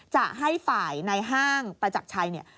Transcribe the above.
จะให้ฝ่ายในห้างประจักรชัยเนี่ย